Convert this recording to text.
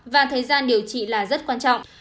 và thời gian điều trị là rất quan trọng